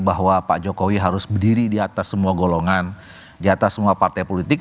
bahwa pak jokowi harus berdiri di atas semua golongan di atas semua partai politik